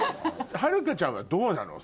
はるかちゃんはどうなの？